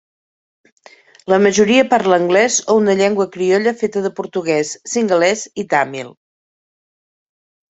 La majoria parla anglès o una llengua criolla feta de portuguès, singalès i tàmil.